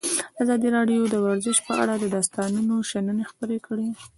ازادي راډیو د ورزش په اړه د استادانو شننې خپرې کړي.